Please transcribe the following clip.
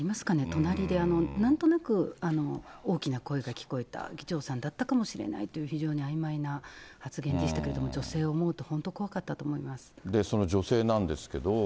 隣で、なんとなく大きな声が聞こえた、議長さんだったかもしれないという、非常にあいまいな発言でしたけども、女性を思うと、その女性なんですけど。